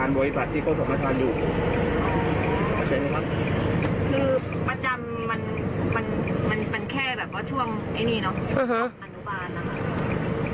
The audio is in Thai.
อันนุบาลนะครับ